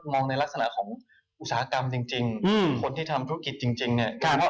มองในลักษณะของอุตสาหกรรมจริงจริงอืมคนที่ทำธุรกิจจริงจริงเนี่ย